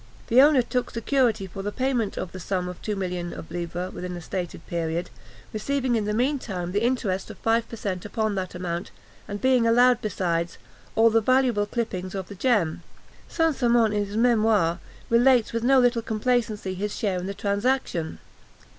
The owner took security for the payment of the sum of two millions of livres within a stated period, receiving in the mean time the interest of five per cent upon that amount, and being allowed, besides, all the valuable clippings of the gem. St. Simon, in his Memoirs, relates with no little complacency his share in this transaction.